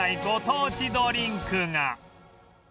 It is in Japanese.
ご当地ドリンクが